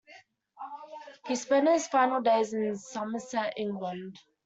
He spent his final days in Somerset, England.